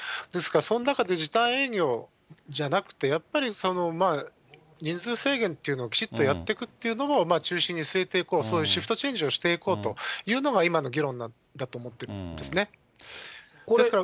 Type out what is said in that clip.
ですから、その中で時短営業じゃなくて、やっぱり人数制限というのをきちっとやってくっていうのを中心に据えて、そういうシフトチェンジをしていこうというのが、今の議論だと思ってるんですね。